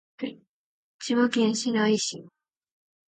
千葉県白井市